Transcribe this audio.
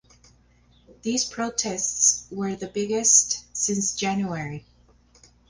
These protests were the biggest since January.